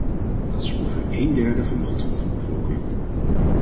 Dat is ongeveer eenderde van de getroffen bevolking.